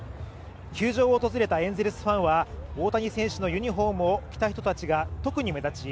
球場を訪れたエンゼルスファンは大谷選手のユニホームを着た人たちが特に目立ち